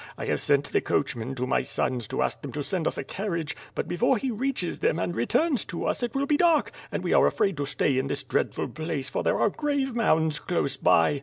I have sent the coachman to my sons to ask them to send us a carriage; but before he reaches them and returns to us, it will be dark, and we are afraid to stay in this dreadful place, for there are grave mounds close by.